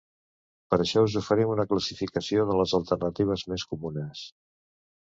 Per això us oferim una classificació de les alternatives més comunes.